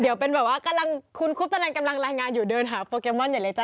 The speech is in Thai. เดี๋ยวเป็นแบบว่าคุณคุฟตะแนนกำลังรายงานอยู่เดินหาโปเกมอนอย่างไรจ๊ะ